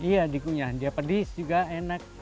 iya dikunyah dia pedis juga enak